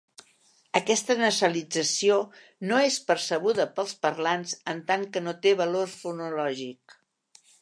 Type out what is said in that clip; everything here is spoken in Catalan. Aquesta nasalització no és percebuda pels parlants, en tant que no té valor fonològic.